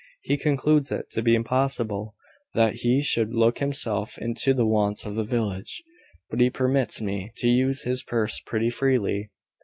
He concludes it to be impossible that he should look himself into the wants of the village; but he permits me to use his purse pretty freely.